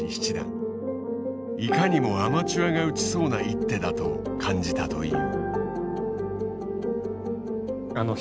いかにもアマチュアが打ちそうな一手だと感じたという。